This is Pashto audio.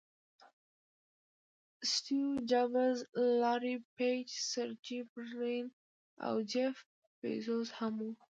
سټیو جابز، لاري پیج، سرجي برین او جیف بیزوز هم وو.